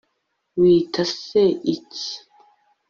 Wita se iki